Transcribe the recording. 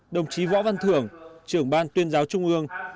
đồng chí võ văn thưởng trưởng ban tuyên giáo trung ương